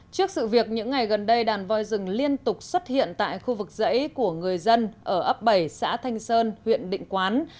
trước sự việc những ngày gần đây đàn voi rừng liên tục xuất hiện tại khu vực dãy của người dân ở ấp bảy xã thanh sơn huyện định quán